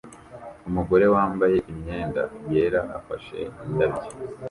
Umugore wambaye imyenda yera afashe indabyo